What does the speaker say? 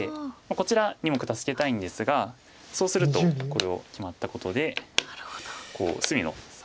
こちら２目助けたいんですがそうするとこれを決まったことでこう隅の３目が取られてしまいます。